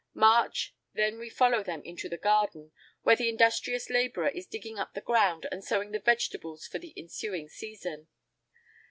"March. Then we follow them into the garden, where the industrious labourer is digging up the ground, and sowing the vegetables for the ensuing season.